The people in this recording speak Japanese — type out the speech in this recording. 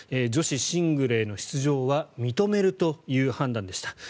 女子シングルへの出場は認めるという判断でした。